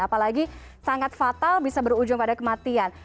apalagi sangat fatal bisa berujung pada kematian